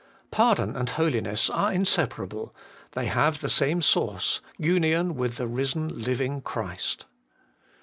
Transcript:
Pardon and holiness are inseparable ; they have the same source, union with the Risen Living Christ.